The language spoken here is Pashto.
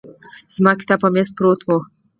زما کتاب په مېز پراته وو.